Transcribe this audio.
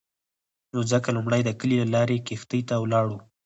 نو ځکه لومړی د کلي له لارې کښتۍ ته ولاړو.